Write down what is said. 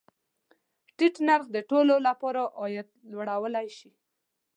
ټیټ نرخ د ټولو له پاره عاید لوړولی شي.